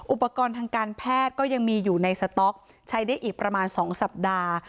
อุปกรณ์ทางการแพทย์ก็ยังมีอยู่ในสต๊อกใช้ได้อีกประมาณ๒สัปดาห์